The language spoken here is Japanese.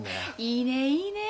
いいねえいいねえ。